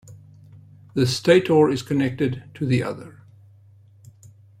The stator is connected to the other.